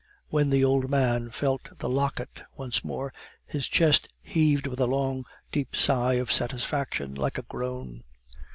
When the old man felt the locket once more, his chest heaved with a long deep sigh of satisfaction, like a groan.